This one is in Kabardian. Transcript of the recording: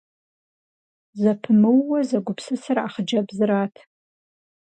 Зэпымыууэ зэгупсысыр а хъыджэбзырат.